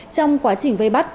trong quá trình vây bắt